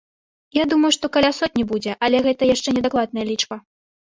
Я думаю, што каля сотні будзе, але гэта яшчэ не дакладная лічба.